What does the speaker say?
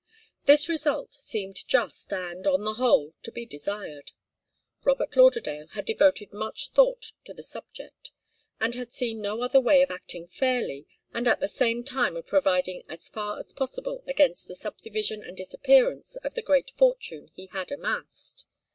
This result seemed just and, on the whole, to be desired. Robert Lauderdale had devoted much thought to the subject, and had seen no other way of acting fairly and at the same time of providing as far as possible against the subdivision and disappearance of the great fortune he had amassed.